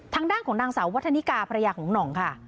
ทางด้านของนางสาววัฒนิกาภรรยาของหน่องค่ะ